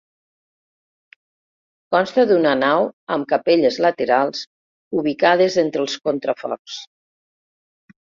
Consta d'una nau amb capelles laterals ubicades entre els contraforts.